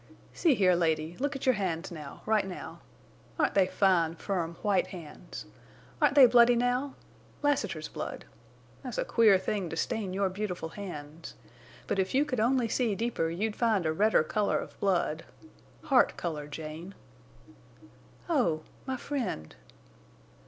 "See here, lady, look at your hands now, right now. Aren't they fine, firm, white hands? Aren't they bloody now? Lassiter's blood! That's a queer thing to stain your beautiful hands. But if you could only see deeper you'd find a redder color of blood. Heart color, Jane!" "Oh!... My friend!"